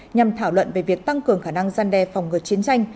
nhằm thảo luận về việc tăng cường khả năng gian đe phòng ngừa chiến tranh